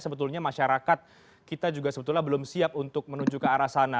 sebetulnya masyarakat kita juga sebetulnya belum siap untuk menuju ke arah sana